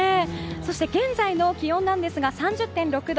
そして現在の気温ですが３０．６度。